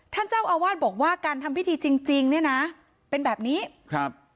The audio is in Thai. ท่านเจ้าอาวาสบอกว่าการทำพิธีจริงจริงเนี่ยนะเป็นแบบนี้ครับ